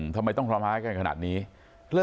ทำไมต้องทำร้ายเกินขนาดนี้เหลือ